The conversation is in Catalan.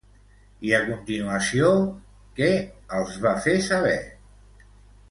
I a continuació, què els va fer saber?